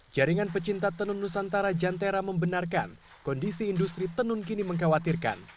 jaringan pecinta tenun nusantara jantera membenarkan kondisi industri tenun kini mengkhawatirkan